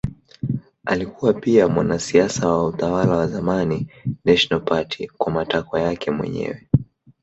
Alikuwa pia mwanasiasa wa utawala wa zamani National Party kwa matakwa yake mwenyewe.